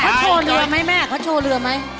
เขาโชว์เรือไหมแม่เขาโชว์เรือไหม